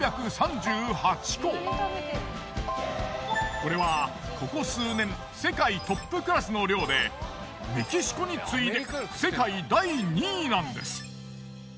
これはここ数年世界トップクラスの量でメキシコに次いで世界第２位なんです。